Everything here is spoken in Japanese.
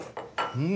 うん！